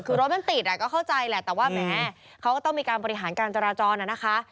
คือรถมันติดก็เข้าใจแหละแต่ว่าแหมเขาก็ต้องมีการบริหารการจราจรนะคะ